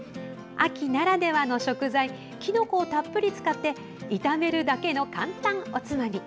秋ならではの食材きのこをたっぷり使って炒めるだけの簡単おつまみ。